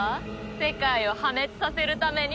世界を破滅させるために。